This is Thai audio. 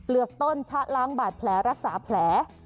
กต้นชะล้างบาดแผลรักษาแผล